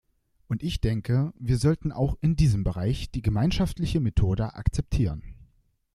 Und ich denke, wir sollten auch in diesem Bereich die gemeinschaftliche Methode akzeptieren.